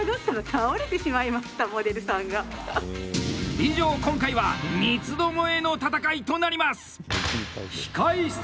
以上、今回は三つどもえの戦いとなります！